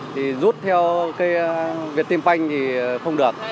thì rút theo cây vietinbank thì không được